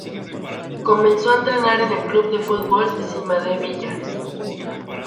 Comenzó a entrenar en el Club de Fútbol Cimadevilla.